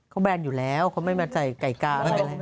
เขาแบนอยู่แล้วเขาไม่มาใส่ไก่กาอะไรนะ